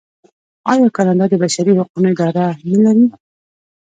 آیا کاناډا د بشري حقونو اداره نلري؟